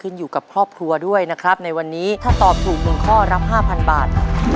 ในวันนี้ถ้าตอบถูก๑ข้อรับ๕๐๐๐บาท